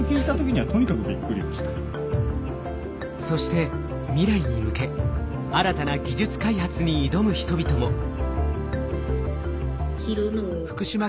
そして未来に向け新たな技術開発に挑む人々も。